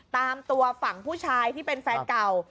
ตามตัวฝั่งผู้ชายที่เป็นแฟนเก่า